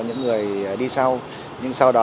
những người đi sau nhưng sau đó